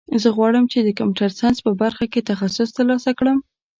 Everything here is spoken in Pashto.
زه غواړم چې د کمپیوټر ساینس په برخه کې تخصص ترلاسه کړم